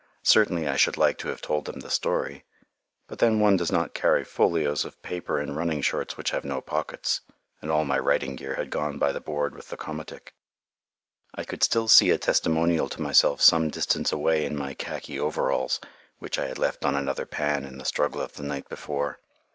Certainly, I should like to have told them the story. But then one does not carry folios of paper in running shorts which have no pockets, and all my writing gear had gone by the board with the komatik. I could still see a testimonial to myself some distance away in my khaki overalls, which I had left on another pan in the struggle of the night before.